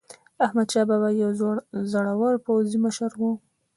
احمدشاه بابا یو زړور پوځي مشر و.